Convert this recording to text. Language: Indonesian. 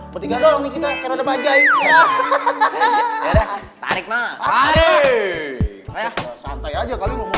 pertiga doang nih kita karena ada bajaj